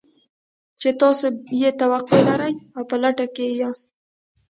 چې تاسې يې توقع لرئ او په لټه کې يې ياست.